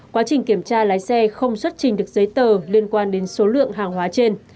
quá trình kiểm tra lái xe không xuất trình được giấy tờ liên quan đến số lượng hàng hóa trên